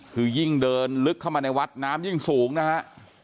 คือยิ่งเดินลึกเข้ามาในวัดน้ำยิ่งสูงนะฮะ